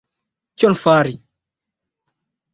Kion fari!